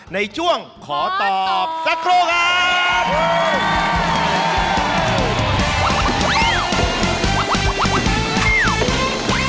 ในช่วงขอตอบสักครู่ครับ